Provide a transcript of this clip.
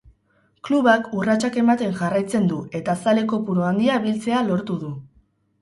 Klubak urratsak ematen jarraitzen du eta zale kopuru handia biltzea lortu du.